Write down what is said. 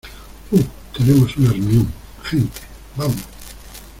Uh, tenemos una reunión , gente. Vamos .